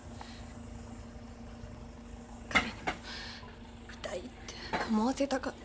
彼にも痛いって思わせたかった。